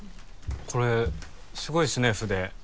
これすごいですね筆